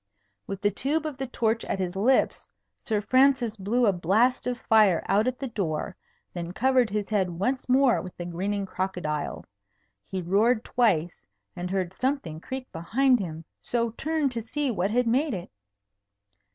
With the tube of the torch at his lips, Sir Francis blew a blast of fire out at the door, then covered his head once more with the grinning crocodile. He roared twice, and heard something creak behind him, so turned to see what had made it.